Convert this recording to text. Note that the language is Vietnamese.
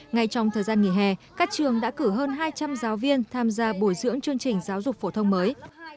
ngay trong thời gian nghỉ hè các trường đã cử hơn hai trăm linh giáo viên tham gia bồi dưỡng chương trình giáo dục phổ thông mới